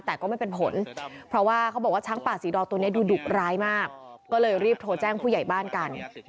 แต่ก็ไม่เป็นผลเพราะว่าเขาบอกว่าช้างป่าสีดองตัวนี้ดูดุร้ายมากก็เลยรีบโทรแจ้งผู้ใหญ่บ้านกัน